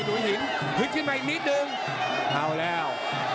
เทศหัวหินหึดขึ้นมาอีกนิดนึงเอาแล้ว